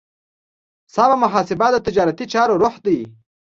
سمه محاسبه د تجارتي چارو روح دی.